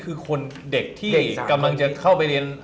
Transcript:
คือคนเด็กที่กำลังจะเข้าไปเรียน